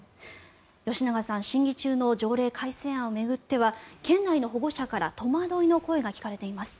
吉永さん審議中の条例改正案を巡っては県内の保護者から戸惑いの声が聞かれています。